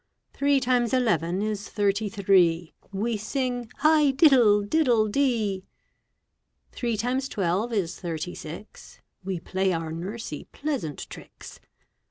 Three times eleven is thirty three, We sing "high diddle, diddle dee!" Three times twelve is thirty six. We play our nursie pleasant tricks.